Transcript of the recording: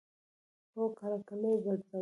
هو، کله کله یی بدلوم